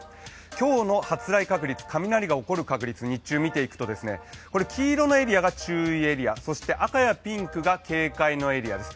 今日の発雷確率、雷が起こる確率、日中見ていくと、黄色のエリアが注意エリアそして赤やピンクが警戒のエリアです。